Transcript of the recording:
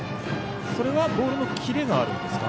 それはボールにキレがあるんですか？